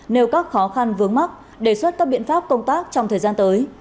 nêu các khó khăn vướng mắt đề xuất các biện pháp công tác trong thời gian tới